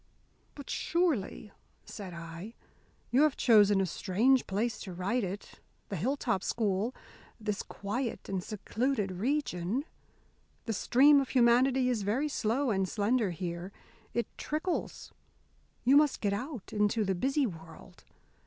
'" "But surely," said I, "you have chosen a strange place to write it the Hilltop School this quiet and secluded region! The stream of humanity is very slow and slender here it trickles. You must get out into the busy world.